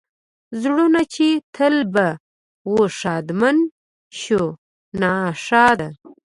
زړونه چې تل به و ښادمن شو ناښاد.